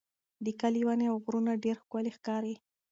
د کلي ونې او غرونه ډېر ښکلي ښکاري.